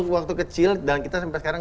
waktu kecil dan kita sampai sekarang